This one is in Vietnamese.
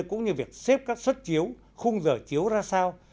cũng như việc xếp các xuất chiếu khung giờ chiếu ra sao